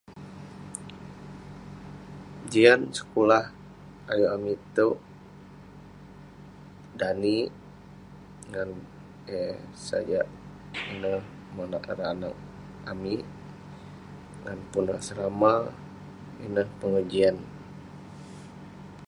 jian sekulah ayuk amik touk, danik, ngan eh sajak neh monak ireh anag amik ngan pun asrama, ineh pengejian..